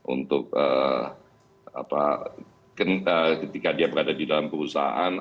untuk ketika dia berada di dalam perusahaan